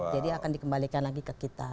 jadi akan dikembalikan lagi ke kita